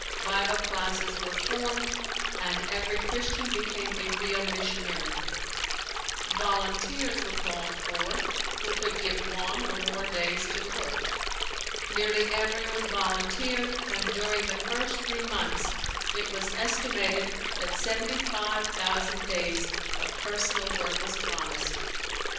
Bible classes were formed and every Christian became a real missionary. Volunteers were called for, who could give one or more days to the work. Nearly everyone volunteered and during the first three months it was estimated that seventy five thousand days of personal work was promised.